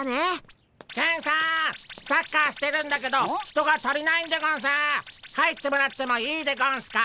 サッカーしてるんだけど人が足りないんでゴンス！入ってもらってもいいでゴンスか？